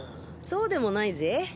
そうでもないぜ。